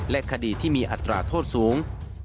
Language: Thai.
คดีที่มีอัตราโทษสูง